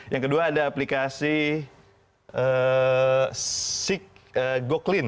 yang kedua ada aplikasi sik go clean